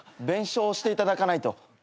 弁償していただかないと。